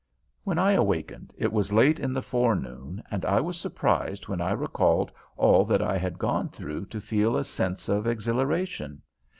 When I awakened it was late in the forenoon, and I was surprised when I recalled all that I had gone through to feel a sense of exhilaration.